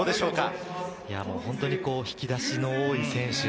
本当に引き出しの多い選手。